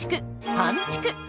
「パンちく」！